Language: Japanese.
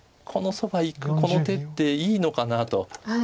このそばいくこの手っていいのかなと。